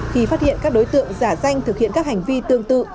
khi phát hiện các đối tượng giả danh thực hiện các hành vi tương tự